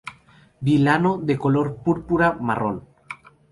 Vilano de color púrpura-marrón.